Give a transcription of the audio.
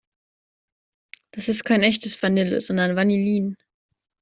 Das ist kein echtes Vanille, sondern Vanillin.